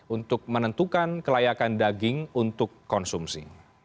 untuk menentukan kelayakan daging untuk konsumsi